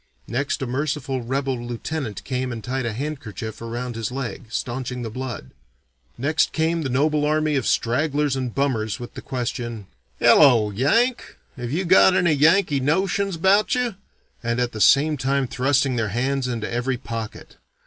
Next a merciful rebel lieutenant came and tied a handkerchief around his leg, stanching the blood. Next came the noble army of stragglers and bummers with the question, 'Hello, Yank, have you got any Yankee notions about you?' and at the same time thrusting their hands into every pocket.